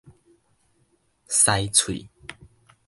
饞喙